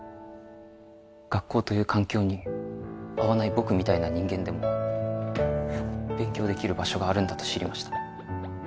学校という環境に合わない僕みたいな人間でも勉強できる場所があるんだと知りました